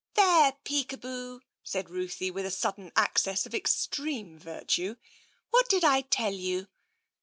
There, Peekaboo," said Ruthie, with a sudden access of extreme virtue. "What did I tell you?